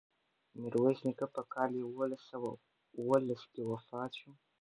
میرویس نیکه په کال یوولس سوه اوولس کې وفات شو.